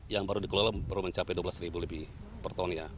yang baru dikeluarkan baru mencapai dua belas ribu per ton